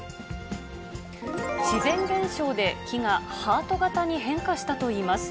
自然現象で木がハート形に変化したといいます。